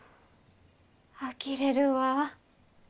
あきれるわ。